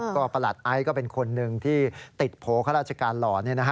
ก็ประหลัดไอซ์ก็เป็นคนหนึ่งที่ติดโผล่ข้าราชการหล่อ